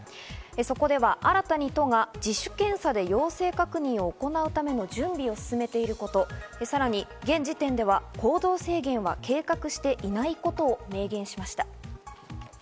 そこでは新たに都が自主検査で陽性確認を行うための準備を進めていること、さらに現時点では行動制限は計画していないことを明言しました。